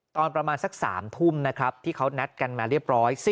ตอนประมาณสัก๓ทุ่มนะครับที่เขานัดกันมาเรียบร้อย